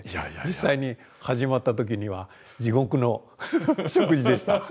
実際に始まった時には地獄の食事でした。